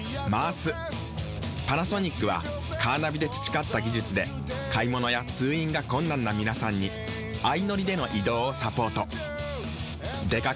パナソニックはカーナビで培った技術で買物や通院が困難な皆さんに相乗りでの移動をサポート。